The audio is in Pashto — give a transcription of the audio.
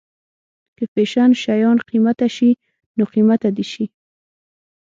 که فیشن شيان قیمته شي نو قیمته دې شي.